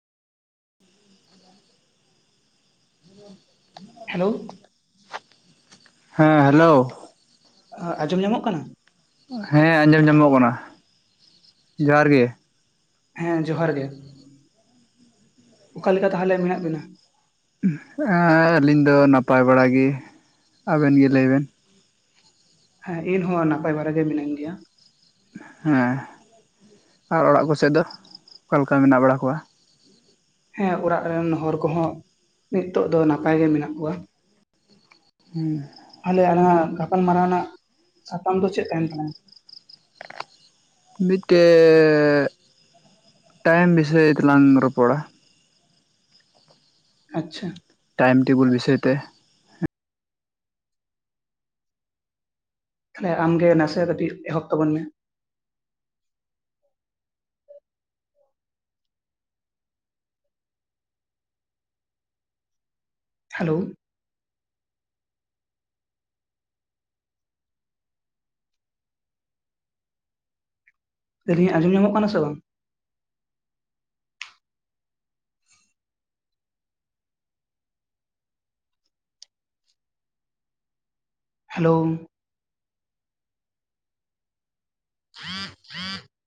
[inaudible] Hello. ᱦᱮᱸ hello. ᱟ ᱟᱸᱡᱚᱢ ᱧᱟᱢᱚᱜ ᱠᱟᱱᱟ? ᱦᱮᱸ ᱟᱸᱡᱚᱢ ᱧᱟᱢᱚᱜ ᱠᱟᱱᱟ ᱡᱚᱦᱟᱨ ᱜᱮ᱾ ᱦᱮᱸ ᱡᱚᱦᱟᱨ ᱜᱮ ᱚᱠᱟ ᱞᱮᱠᱟ ᱛᱟᱦᱚᱞᱮ ᱢᱮᱱᱟᱜ ᱵᱤᱱᱟ? ᱟᱻ ᱟᱹᱞᱤᱧ ᱫᱚ ᱱᱟᱯᱟᱭ ᱵᱟᱲᱟ ᱜᱮ᱾ ᱟᱵᱮᱱ ᱜᱮ ᱞᱟᱹᱭ ᱵᱮᱱ? ᱦᱮᱸ ᱤᱱ ᱦᱚᱸ ᱱᱟᱯᱟᱭ ᱵᱟᱨᱟ ᱜᱮ ᱢᱤᱱᱟᱹᱧ ᱜᱮᱭᱟ ᱦᱮᱸ ᱟᱨ ᱚᱲᱟᱜ ᱠᱚᱥᱮᱫ ᱫᱚ ᱚᱠᱟ ᱞᱮᱠᱟ ᱢᱮᱱᱟᱜ ᱵᱟᱲᱟ ᱠᱚᱣᱟ ᱦᱮᱸ ᱚᱲᱟᱜ ᱨᱮᱱ ᱦᱚᱨ ᱠᱚᱦᱚᱸ ᱱᱤᱛᱚᱜ ᱫᱚ ᱱᱟᱯᱟᱭ ᱜᱮ ᱢᱮᱱᱟᱜ ᱠᱚᱣᱟ ᱦᱩᱸ ᱛᱟᱦᱚᱞᱮ ᱟᱱᱟ ᱜᱟᱯᱟᱞ ᱢᱟᱨᱟᱣ ᱱᱟᱜ ᱥᱟᱛᱟᱢ ᱫᱚ ᱪᱮᱫ ᱛᱟᱦᱮᱱ ᱛᱟᱞᱟᱝᱟ ᱢᱤᱫᱴᱮᱡ ᱴᱟᱭᱤᱢ ᱵᱤᱥᱚᱭ ᱛᱮᱞᱟᱝ ᱨᱚᱯᱚᱲᱟ ᱟᱪᱪᱷᱟ ᱴᱟᱭᱤᱢ ᱴᱮᱵᱩᱞ ᱵᱤᱥᱚᱭ ᱛᱮᱼᱼ ᱛᱟᱦᱚᱞᱮ ᱟᱢ ᱜᱮ ᱱᱟᱥᱮ ᱠᱟᱹᱴᱤᱡ ᱮᱦᱚᱵ ᱛᱟᱵᱚᱱ ᱢᱮ ᱦᱮᱞᱳ ᱞᱮᱫᱟᱹᱞᱤᱧ ᱟᱸᱡᱚᱢ ᱧᱟᱢᱚᱜ ᱠᱟᱱᱟ ᱥᱮ ᱵᱟᱝ ᱦᱮᱞᱳ [inaudible]